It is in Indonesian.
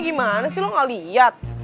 gimana sih lu ga liat